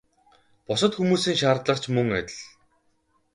Бусад хүмүүсийн шаардлага ч мөн адил.